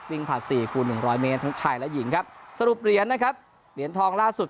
ผ่านสี่คูณหนึ่งร้อยเมตรทั้งชายและหญิงครับสรุปเหรียญนะครับเหรียญทองล่าสุด